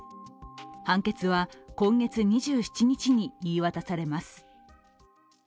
判決は今月２７日に言い渡されます。